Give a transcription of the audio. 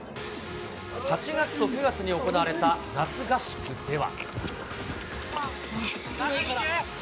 ８月と９月に行われた夏合宿では。